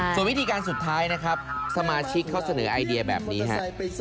ส่วนวิธีการสุดท้ายนะครับสมาชิกเขาเสนอไอเดียแบบนี้ฮะ